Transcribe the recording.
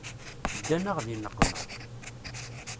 Ddan-aɣ di nneqma.